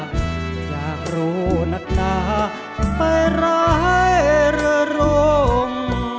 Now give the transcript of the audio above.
อยากรู้นักหนาไปร้ายเรือร่ม